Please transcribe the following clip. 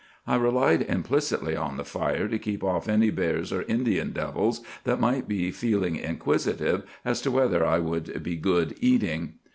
I relied implicitly on the fire to keep off any bears or Indian devils that might be feeling inquisitive as to whether I would be good eating.